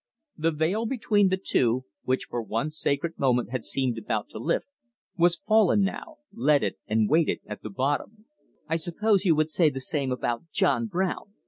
The veil between the two, which for one sacred moment had seemed about to lift, was fallen now, leaded and weighted at the bottom. "I suppose you would say the same about John Brown!